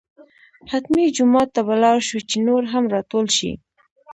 حتمي جومات ته به لاړ شو چې نور هم راټول شي.